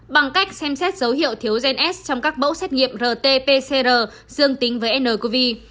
bằng cách xem xét dấu hiệu thiếu gen s trong các bẫu xét nghiệm rt pcr dương tính với ncov